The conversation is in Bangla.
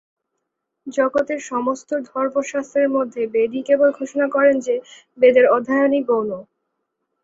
জগতের সমস্ত ধর্মশাস্ত্রের মধ্যে বেদই কেবল ঘোষণা করেন যে, বেদের অধ্যয়নও গৌণ।